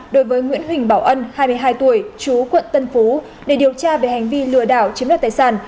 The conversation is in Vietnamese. đối với nguyễn huỳnh bảo ân hai mươi hai tuổi chú quận tân phú để điều tra về hành vi lừa đảo chiếm đoạt tài sản